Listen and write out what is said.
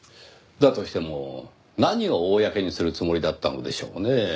だとしても何を公にするつもりだったのでしょうねぇ。